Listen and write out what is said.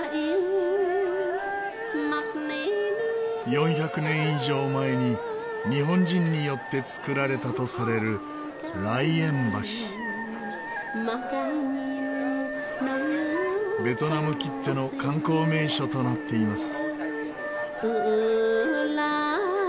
４００年以上前に日本人によって造られたとされるベトナムきっての観光名所となっています。